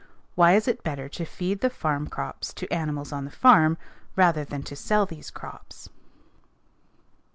Why is it better to feed the farm crops to animals on the farm rather than to sell these crops?